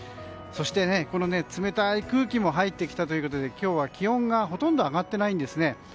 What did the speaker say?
そして冷たい空気も入ってきたということで今日は気温がほとんど上がっていないんですね。